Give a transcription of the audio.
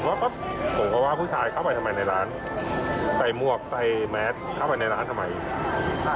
แล้วก็ผมก็ว่าผู้ชายเข้าไปทำไมในร้านใส่หมวกใส่แมสเข้าไปในร้านทำไม